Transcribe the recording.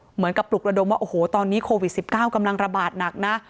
เหมือนกับปลุกระดมว่าโอ้โหตอนนี้โควิด๑๙กำลังระบาดหนักนะ